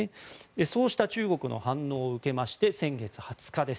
そうした中国の反応を受け先月２０日です。